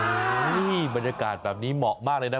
โอ้โหบรรยากาศแบบนี้เหมาะมากเลยนะ